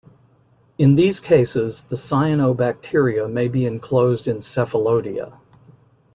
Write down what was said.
In these cases, the cyanobacteria may be enclosed in cephalodia.